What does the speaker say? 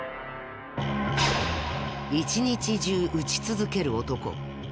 一日中打ち続ける男。